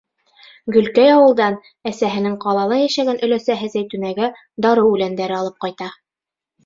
Гөлкәй ауылдан әсәһенең ҡалала йәшәгән өләсәһе Зәйтүнәгә дарыу үләндәре алып ҡайта.